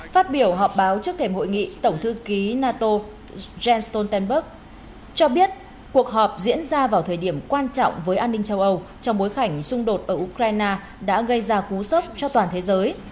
phát biểu họp báo trước thềm hội nghị tổng thư ký nato jens stoltenberg cho biết cuộc họp diễn ra vào thời điểm quan trọng với an ninh châu âu trong bối cảnh xung đột ở ukraine đã gây ra cú sốc cho toàn thế giới